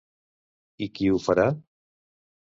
I qui ho farà?